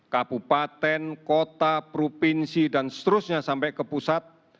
kabupaten kota provinsi dan seterusnya sampai ke pusat